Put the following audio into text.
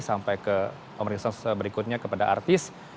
sampai ke komersens berikutnya kepada artis